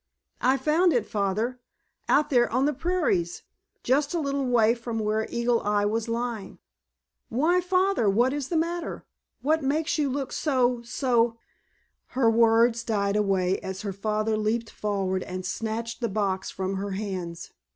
"I found it, Father—out there on the prairies—just a little way from where Eagle Eye was lying. Why, Father, what is the matter? What makes you look so—so——" Her words died away as her father leaped forward and snatched the box from her hands.